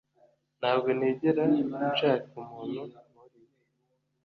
Ntabwo nigera nshaka umuntu nkuriya